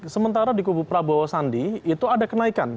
sementara di kubu prabowo sandi itu ada kenaikan